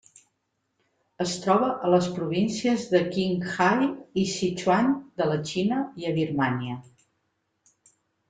Es troba a les províncies de Qinghai i Sichuan de la Xina i a Birmània.